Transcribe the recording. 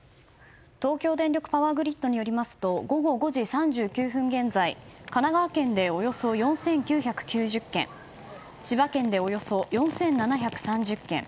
東京電力パワーグリッドによりますと午後５時３９分現在神奈川県でおよそ４９９０軒千葉県でおよそ４７３０軒